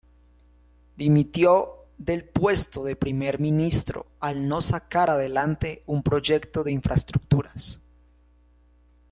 Dimitió del puesto de Primer Ministro al no sacar adelante un proyecto de infraestructuras.